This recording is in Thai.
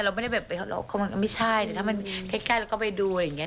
เราก็ไม่ใช่ถ้ามันใกล้ก็ไปดูอะไรอย่างเงี้ย